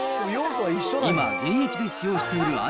今、現役で使用しているｉＰａｄ